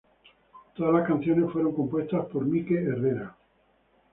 Todas las canciones fueron compuestas por Mike Herrera.